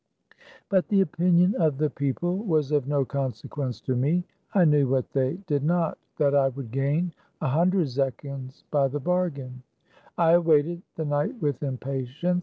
But the opinion of the people was of no conse quence to me. I knew what they did not ; that I would gain a hundred zechins by the bargain. I awaited the night with impatience.